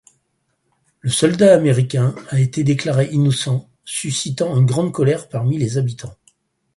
Le soldat américain a été déclaré innocent, suscitant une grande colère parmi les habitants.